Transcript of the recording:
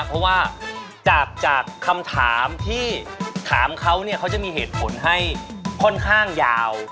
เพราะว่าจากคำถามที่ถามเขาเนี่ยเขาจะมีเหตุผลให้ค่อนข้างยาว